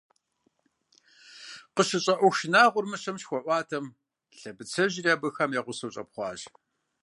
КъащыщӀа Ӏуэху шынагъуэр Мыщэм щыхуаӀуатэм, лъэбыцэжьри абыхэм я гъусэу щӀэпхъуащ.